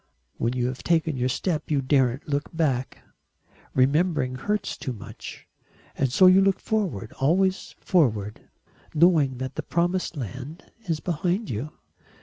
When you have taken your step you daren't look back. Remembering hurts too much. And so you look forward always forward, knowing that the promised land is behind you."